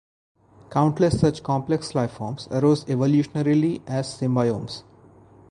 Countless such complex life forms arose evolutionarily as symbiomes.